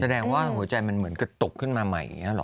แสดงว่าหัวใจก็ตกขึ้นมาใหม่อย่างนี้หรอ